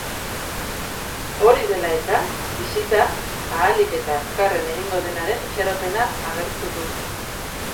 Hori dela eta, bisita ahalik eta azkarren egingo denaren itxaropena agertu du.